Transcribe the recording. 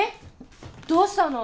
どうしたの！？